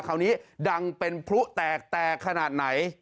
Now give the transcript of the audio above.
คราวนี้ดังเป็นพลุแตกแตกขนาดไหน